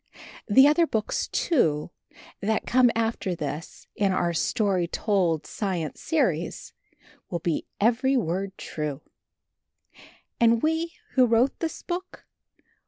The other books, too, that come after this in our Story Told Science Series will be every word true. And we who wrote this book?